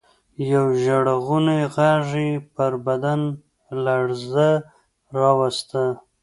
يوه ژړغوني غږ يې پر بدن لړزه راوسته.